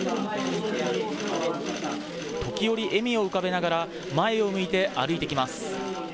時折、笑みを浮かべながら前を向いて歩いて来ます。